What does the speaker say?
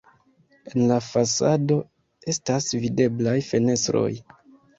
En la fasado estas videblaj fenestroj.